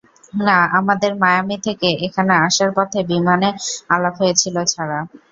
না, আমাদের মায়ামি থেকে এখানে আসার পথে বিমানে আলাপ হয়েছিল ছাড়া।